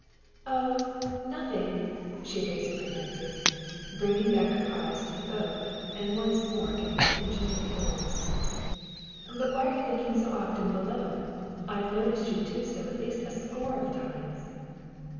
"Oh, nothing," she evasively answers, bringing back her eyes to the boat, and once more giving attention to the oars. "But why are you looking so often below? I've noticed you do so at least a score of times."